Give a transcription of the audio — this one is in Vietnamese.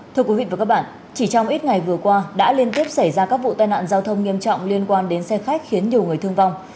thưa quý vị và các bạn chỉ trong ít ngày vừa qua đã liên tiếp xảy ra các vụ tai nạn giao thông nghiêm trọng liên quan đến xe khách khiến nhiều người thương vong